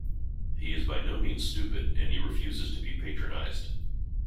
He is by no means stupid, and he refuses to be patronized.